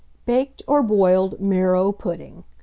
BAKED OB BOILED MARROW PUDDING.